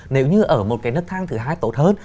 nếu như ở một cái nước thang thứ hai tốt hơn